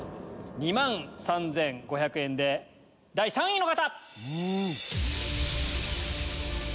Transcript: ２万３５００円で第３位の方！